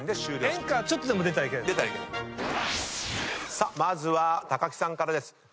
さあまずは木さんからです。